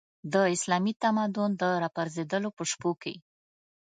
د اسلامي تمدن د راپرځېدلو په شپو کې.